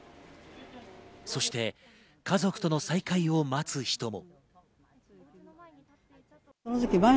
そして家族との再開を待つ人も。